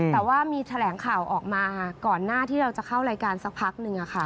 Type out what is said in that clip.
แต่ว่ามีแถลงข่าวออกมาก่อนหน้าที่เราจะเข้ารายการสักพักนึง